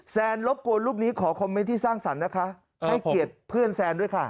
แซนรบกวนรูปนี้ขอคอมเมนต์ที่สร้างสรรค์นะคะให้เกียรติเพื่อนแซนด้วยค่ะ